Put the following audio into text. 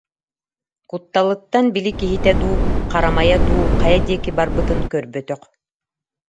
Кутталыттан били киһитэ дуу, харамайа дуу хайа диэки барбытын көрбөтөх